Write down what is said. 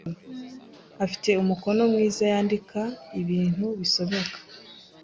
Afite umukono mwiza Yandika ibintu bisomeka.